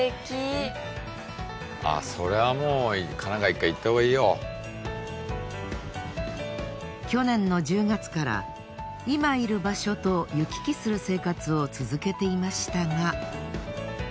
あぁそれはもう去年の１０月から今いる場所と行き来する生活を続けていましたが。